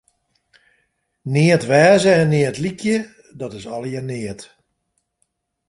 Neat wêze en neat lykje, dat is allegearre neat.